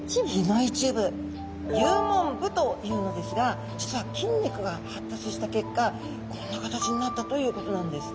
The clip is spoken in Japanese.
幽門部というのですが実は筋肉が発達した結果こんな形になったということなんです。